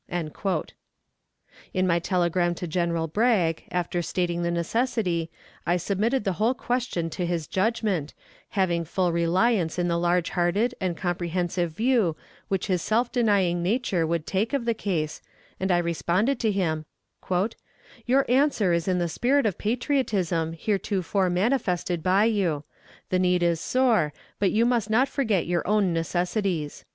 In my telegram to General Bragg, after stating the necessity, I submitted the whole question to his judgment, having full reliance in the large hearted and comprehensive view which his self denying nature would take of the case, and I responded to him: "Your answer is in the spirit of patriotism heretofore manifested by you. The need is sore, but you must not forget your own necessities."